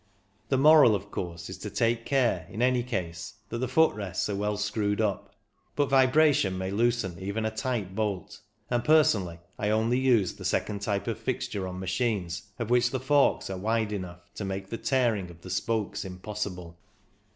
The moral, of course, is to take care in any case that the foot rests are well screwed up ; but vibration may loosen even a tight bolt, and personally I only use the second type of fixture on machines of which the forks are wide enough to make the tearing of the spokes impossible.